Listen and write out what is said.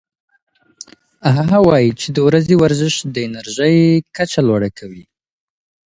هغه وايي چې د ورځې ورزش د انرژۍ کچه لوړه کوي.